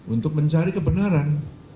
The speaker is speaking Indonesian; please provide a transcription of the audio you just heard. untuk mencari kebenaran